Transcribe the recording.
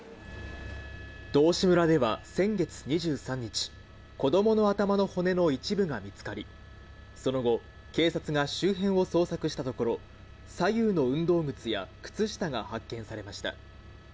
道志村では、先月２３日、子どもの頭の骨の一部が見つかり、その後、警察が周辺を捜索したところ、左右の運動靴や靴下が発見されました。